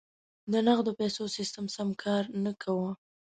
د نغدو پیسو سیستم سم کار نه کاوه.